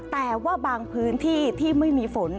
แต่ว่าบางพื้นที่ที่ไม่มีฝน